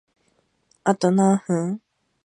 あと何分？